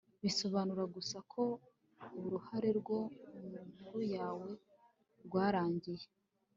bisobanura gusa ko uruhare rwabo mu nkuru yawe rwarangiye